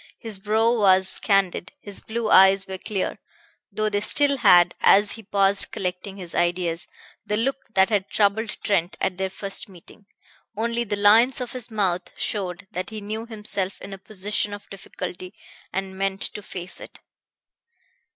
His brow was candid, his blue eyes were clear, though they still had, as he paused collecting his ideas, the look that had troubled Trent at their first meeting. Only the lines of his mouth showed that he knew himself in a position of difficulty, and meant to face it.